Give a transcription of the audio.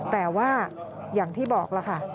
แต่ว่าอย่างที่บอกล่ะค่ะ